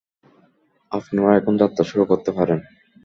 আপনারা এখন যাত্রা শুরু করতে পারেন।